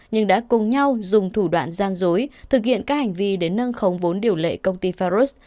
nhưng đã cùng nhau dùng thủ đoạn gian dối thực hiện các hành vi đến nâng khống vốn điều lệ công ty farod